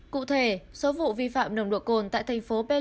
cụ thể số vụ vi phạm nồng độ cồn tại thành phố pleik